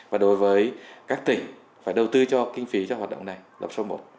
và đối với các tỉnh phải đầu tư cho kinh phí cho hoạt động này lập sau một